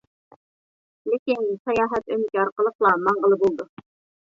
لېكىن ساياھەت ئۆمىكى ئارقىلىقلا ماڭغىلى بولىدۇ.